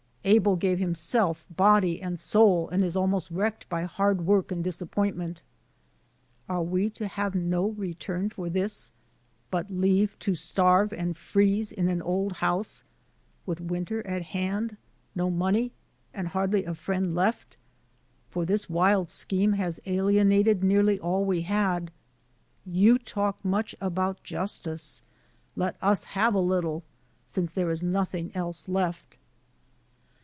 Abel gave himself body and soul, and is almost wrecked by hard work and disappoint ment. Are we to have no return for this, but leave to starve and freeze in an old house, with winter at hand, no money, and hardly a friend left; for this wild scheme has alienated nearly all we had. You talk much about justice. Let us have a little, since there is nothing else left."